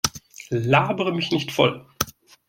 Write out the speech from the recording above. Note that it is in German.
Labere mich nicht voll!